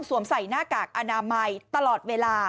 ใส่หน้ากากอนามัยตลอดเวลา